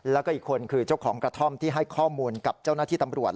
แล้วก็อีกคนคือเจ้าของกระท่อมที่ให้ข้อมูลกับเจ้าหน้าที่ตำรวจ